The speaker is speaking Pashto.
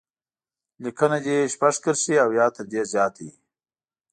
لیکنه دې شپږ کرښې او یا تر دې زیاته وي.